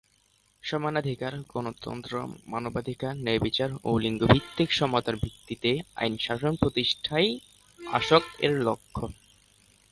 সমানাধিকার, গণতন্ত্র, মানবাধিকার, ন্যায়বিচার এবং লিঙ্গভিত্তিক সমতার ভিত্তিতে আইনের শাসন প্রতিষ্ঠাই আসক-এর লক্ষ্য।